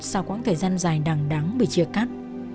sau quãng thời gian dài đằng đáng đắng bị chia cắt